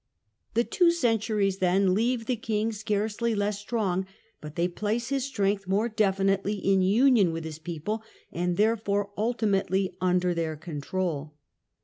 The two centuries, then, leave the king scarcely less strong, but they place his strength more definitely in union with his people and therefore ultimately under their control.